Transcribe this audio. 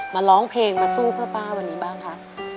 ร้องเพลงมาสู้เพื่อป้าวันนี้บ้างคะ